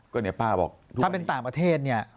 ถ้าเป็นต่างประเทศเนี่ย